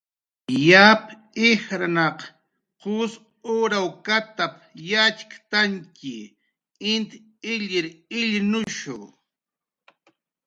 "Yap ijrnaq qus urawkatap"" yatxktantx, int illkir illnushu "